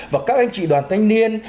và các anh chị đoàn thanh niên